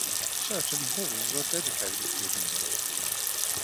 Certain halls are dedicated to them.